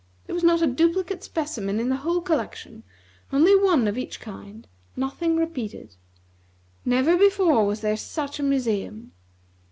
There was not a duplicate specimen in the whole collection; only one of each kind; nothing repeated. Never before was there such a museum.